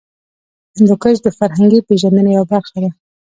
هندوکش د فرهنګي پیژندنې یوه برخه ده.